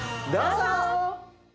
どうぞ。